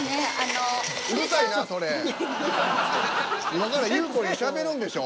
今からゆうこりんしゃべるんでしょ。